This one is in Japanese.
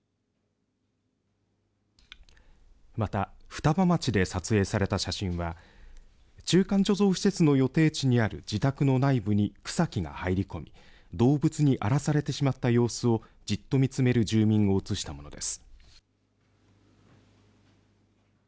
また、双葉町で撮影された写真は中間貯蔵施設の予定地にある自宅の内部に草木が入り込み動物に荒らされてしまった様子をじっと見つめる住民を写したものです。